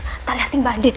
kita liatin mbak andin